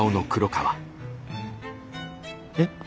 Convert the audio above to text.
えっ？